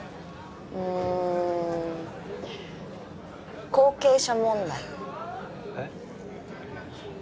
うん後継者問題えっ？